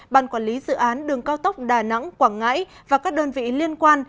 ban quản lý dự án đường cao tốc đà nẵng quảng ngãi và các đơn vị liên quan